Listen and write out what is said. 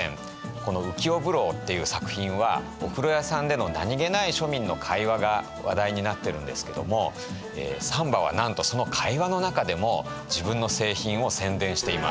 この「浮世風呂」っていう作品はお風呂屋さんでの何気ない庶民の会話が話題になってるんですけども三馬はなんとその会話の中でも自分の製品を宣伝しています。